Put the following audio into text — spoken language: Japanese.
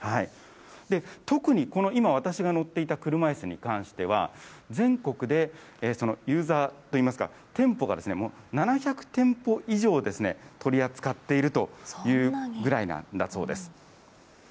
特にこの、今、私が乗っていた車いすに関しては、全国でユーザーといいますか、店舗が７００店舗以上取り扱っているというぐらいなんだそうです。